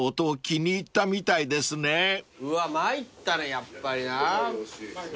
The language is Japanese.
うわ参ったねやっぱりな。